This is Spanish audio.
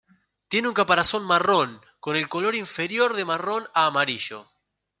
Tiene un caparazón marrón, con el color inferior de marrón a amarillo.